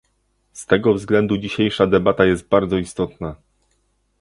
Z tego względu dzisiejsza debata jest bardzo istotna